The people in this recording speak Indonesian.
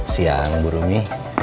siang bu rumi